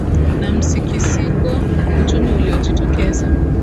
na msikisiko uchumi uliojitokeza